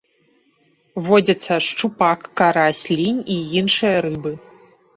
Водзяцца шчупак, карась, лінь і іншыя рыбы.